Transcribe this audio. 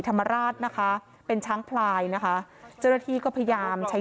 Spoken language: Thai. ธรรมราชนะคะเป็นช้างพลายนะคะเจ้าหน้าที่ก็พยายามใช้